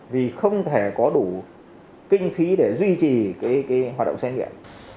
vì không thể có đủ kinh phí để duy trì hoạt động xét nghiệm